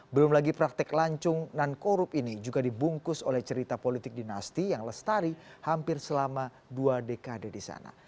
belum lagi praktek lancung non korup ini juga dibungkus oleh cerita politik dinasti yang lestari hampir selama dua dekade di sana